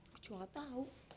gue juga gak tau